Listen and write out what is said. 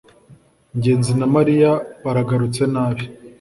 ngenzi na mariya baragarutse nabi